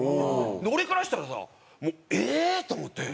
俺からしたらさもうええー！と思って。